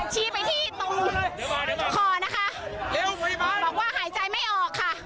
ชี้ไปที่ตรงคอนะคะบอกว่าหายใจไม่ออกค่ะ